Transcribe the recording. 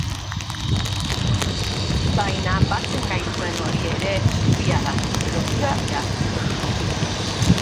Baina batzen gaituen hori ere zubia da, lotura beharrezkoa.